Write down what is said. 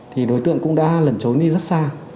thì đối tượng cũng đã lần trốn đi rất xa